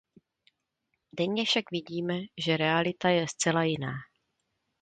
Denně však vidíme, že realita je zcela jiná.